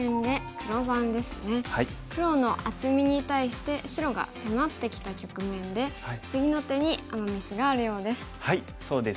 黒の厚みに対して白が迫ってきた局面で次の手にアマ・ミスがあるようです。